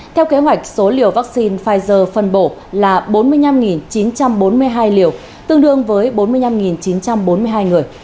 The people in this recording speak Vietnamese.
theo kế hoạch số liều vaccine pfizer phân bổ là bốn mươi năm chín trăm bốn mươi hai liều tương đương với bốn mươi năm chín trăm bốn mươi hai người